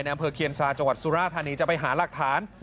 อำเภอเคียนซาจังหวัดสุราธานีจะไปหาหลักฐาน